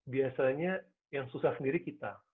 biasanya yang susah sendiri kita